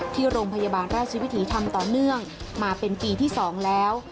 ที่โรงพยาบาลราชวิถีทำต่อเนื่องมาเป็นปีที่๒แล้ว